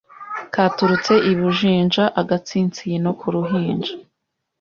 Katurutse i BujinjaAgatsinsino k'uruhinja